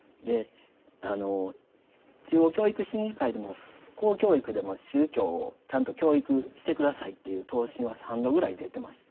中央教育審議会でも公教育でも宗教をちゃんと教育して下さいという答申は３度ぐらい出てました。